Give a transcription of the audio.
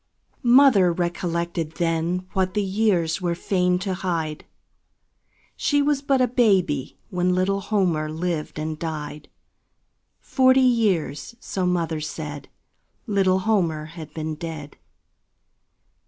Mother recollected then What the years were fain to hide She was but a baby when Little Homer lived and died; Forty years, so mother said, Little Homer had been dead.